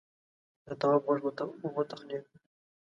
د تواب غوږ وتخڼيد: